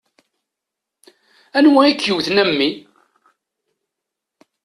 Anwa i k-yewwten, a mmi?